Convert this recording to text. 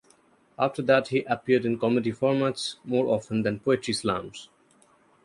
After that he appeared in comedy formats more often than poetry slams.